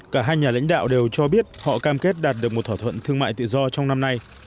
cả hai nhà lãnh đạo đều cho biết họ cam kết đạt được một thỏa thuận thương mại tự do trong năm nay